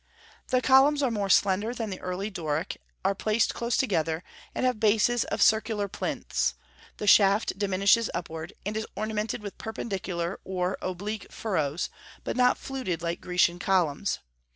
The columns are more slender than the early Doric, are placed close together, and have bases of circular plinths; the shaft diminishes upward, and is ornamented with perpendicular or oblique furrows, but not fluted like Grecian columns.